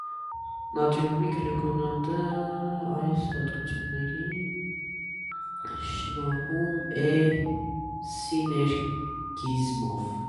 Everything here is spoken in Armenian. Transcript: Նատրիումի գլյուկոնատը այս հատկություններին շնորհում է սիներգիզմով։